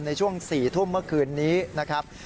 ในช่วง๔ทุ่มเมื่อคืนนี้นะครับ